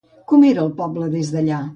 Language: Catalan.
Com era el poble des d'allà?